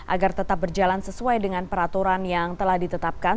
agar tetap berjalan sesuai dengan peraturan yang telah ditetapkan